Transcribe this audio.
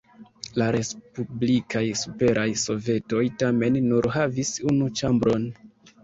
La respublikaj Superaj Sovetoj tamen nur havis unu ĉambron.